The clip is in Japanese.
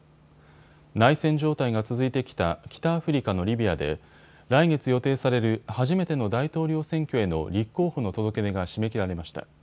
内戦状態が続いてきた北アフリカのリビアで来月予定される初めての大統領選挙への立候補の届け出が締め切られました。